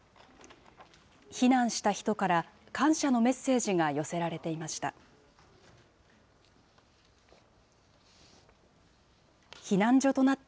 避難した人から、感謝のメッセージが寄せられていました。